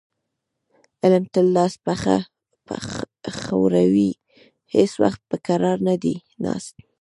علي تل لاس پښه ښوروي، هېڅ وخت په کرار نه دی ناست.